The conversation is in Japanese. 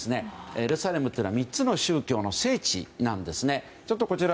エルサレムというのは３つの宗教の聖地なんです。